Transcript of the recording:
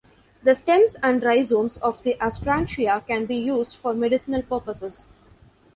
The stems and rhizomes of the Astrantia can be used for medicinal purposes.